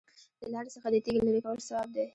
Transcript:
د لارې څخه د تیږې لرې کول ثواب دی.